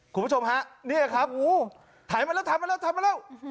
คุณผู้ชมฮะเนี่ยครับงูถ่ายมาแล้วถ่ายมาแล้วทำมาแล้ว